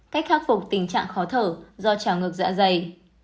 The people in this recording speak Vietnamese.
cách khắc phục tình trạng khó thở do chả ngược dạ dày